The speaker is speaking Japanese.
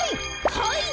はい！